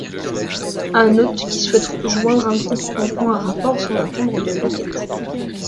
Un hôte qui souhaite joindre un groupe envoie un rapport sans attendre de requête.